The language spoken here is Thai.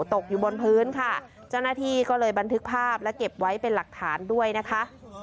ตกอยู่บนพื้นค่ะเจ้าหน้าที่ก็เลยบันทึกภาพและเก็บไว้เป็นหลักฐานด้วยนะคะ